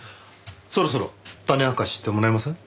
そろそろ種明かししてもらえません？